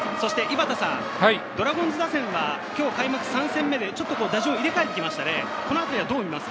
ドラゴンズ打線は開幕３戦目で打順を入れ替えてきましたね。